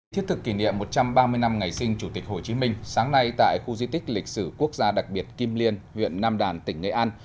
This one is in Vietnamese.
thiết thực kỷ niệm một trăm ba mươi năm ngày sinh chủ tịch hồ chí minh sáng nay tại khu di tích lịch sử quốc gia đặc biệt kim liên huyện nam đàn tỉnh nghệ an